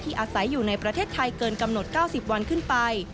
อาศัยอยู่ในประเทศไทยเกินกำหนด๙๐วันขึ้นไป